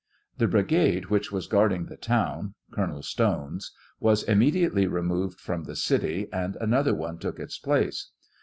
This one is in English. The brigade which was guarding the town (Colonel 36 Stone's) was immediately removed from the city, and another one took its place.